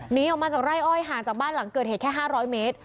หนีออกมาจากไร่อ้อยห่างจากบ้านหลังเกิดเหตุแค่๕๐๐เมตร